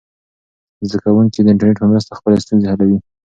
زده کوونکي د انټرنیټ په مرسته خپلې ستونزې حلوي.